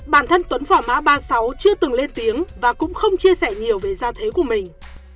bản thân tuấn vỏ mã ba mươi sáu chưa từng lên tiếng và cũng không chia sẻ nhiều về gia thế của mình